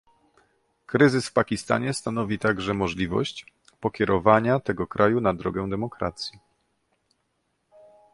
Kryzys w Pakistanie stanowi także możliwość pokierowania tego kraju na drogę demokracji